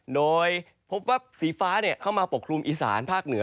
โดยพบว่าสีฟ้าเข้ามาปกครุมอีสานภาคเหนือ